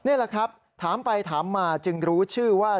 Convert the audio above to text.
นี่แหละครับถามไปถามมาจึงรู้ชื่อว่า